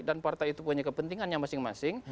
dan partai itu punya kepentingan yang masing masing